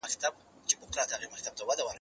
ته ولي بازار ته ځې.